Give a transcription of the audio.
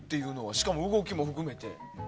しかも動きも含めて。